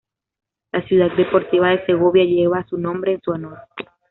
La Ciudad Deportiva de Segovia lleva su nombre en su honor.